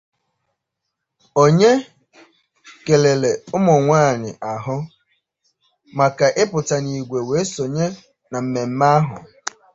O kelere ụmụnwaanyị ahụ maka ịpụtà n'ìgwè wee sonye na mmemme ahụ